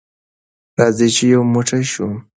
راځئ چې یو موټی شو.